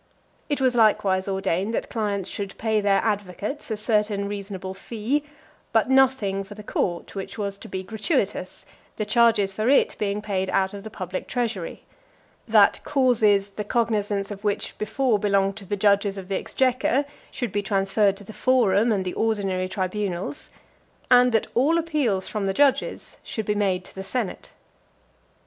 It was likewise ordained that clients should pay their advocates a certain reasonable fee, but nothing for the court, which was to be gratuitous, the charges for it being paid out of the public treasury; that causes, the cognizance of which before belonged to the judges of the exchequer, should be transferred to the forum, and the ordinary tribunals; and that all appeals from the judges should be made to the senate.